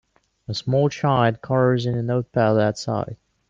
A small child colors in a note pad outside.